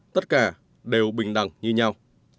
tất cả đều bình đẳng như nhau